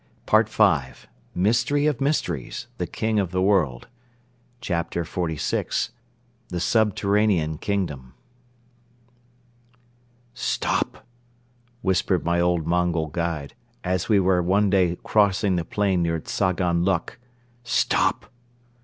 Part V MYSTERY OF MYSTERIES THE KING OF THE WORLD CHAPTER XLVI THE SUBTERRANEAN KINGDOM "Stop!" whispered my old Mongol guide, as we were one day crossing the plain near Tzagan Luk. "Stop!"